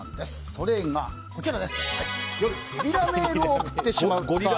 それが夜、ゲリラメールを送ってしまうと。